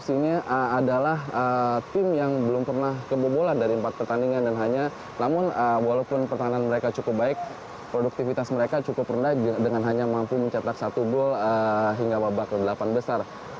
ini adalah tim yang belum pernah kebobolan dari empat pertandingan dan hanya namun walaupun pertahanan mereka cukup baik produktivitas mereka cukup rendah dengan hanya mampu mencetak satu gol hingga babak ke delapan besar